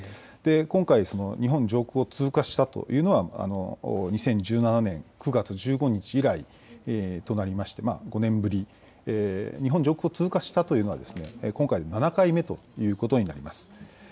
今回、日本上空を通過したというのは、２０１７年９月１５日以来となりまして、５年ぶり、日本上空を通過したというのは今回で７回目ということになります。